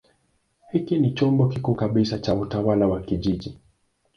Hiki ni chombo kikuu kabisa cha utawala wa kijiji.